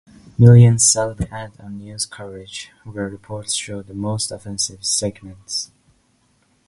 Millions saw the ad on news coverage, where reports showed the most offensive segments.